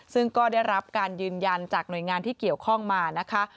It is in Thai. ซึ่งก็ได้รับการยืนยันจากหน่วยงานที่เกี่ยวข้องมานะคะ